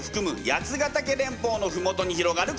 八ヶ岳連峰のふもとに広がる